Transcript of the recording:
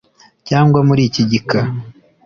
cyangwa muri iki gika